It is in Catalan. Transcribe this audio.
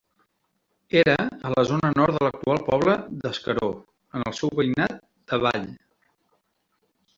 Era a la zona nord de l'actual poble d'Escaró, en el seu Veïnat d'Avall.